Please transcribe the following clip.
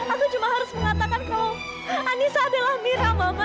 aku cuma harus mengatakan kalau anissa adalah mira mama